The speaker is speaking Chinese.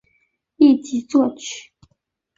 一级作曲。